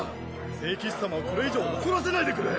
聖騎士様をこれ以上怒らせないでくれ。